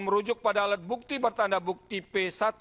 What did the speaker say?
ketika mencari alat bukti bertanda bukti p satu ratus empat puluh empat